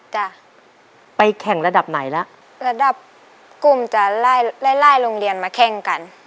จะไปแข่งระดับไหนละระดับกลุ่มจะไล่ไล่ไล่โรงเรียนมาแข่งกัน